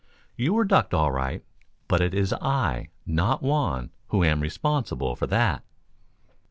"You were ducked, all right, but it is I, not Juan, who am responsible for that."